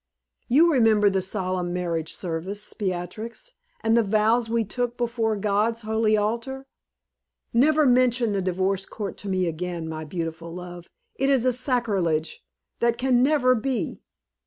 You remember the solemn marriage service, Beatrix, and the vows we took before God's holy altar? Never mention the divorce court to me again, my beautiful love it is sacrilege that can never be.